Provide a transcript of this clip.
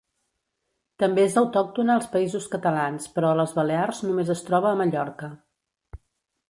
També és autòctona als Països Catalans, però a les Balears només es troba a Mallorca.